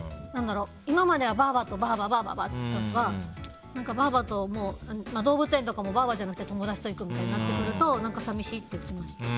今までは、ばあば、ばあばって言っていたのが動物園とかも、ばあばじゃなくて友達と行くみたいになってくると何か寂しいって言ってました。